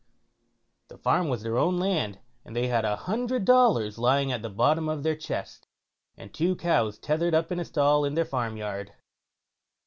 The farm was their own land, and they had a hundred dollars lying at the bottom of their chest, and two cows tethered up in a stall in their farm yard.